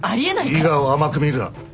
伊賀を甘く見るな。